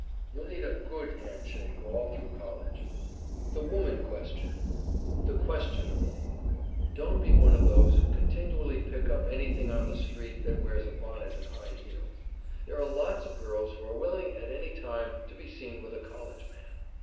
You'll need a good hand shake all through College. [Sidenote: THE WOMAN QUESTION: THE QUESTIONABLE] Don't be one of those who continually pick up anything on the street that wears a bonnet and high heels. There are lots of girls who are willing, at any time, to be seen with a College man.